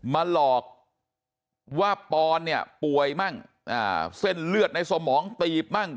มาหลอกว่าปอนเนี่ยป่วยมั่งเส้นเลือดในสมองตีบมั่ง